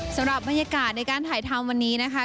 สำหรับบรรยากาศในการถ่ายทำวันนี้นะคะ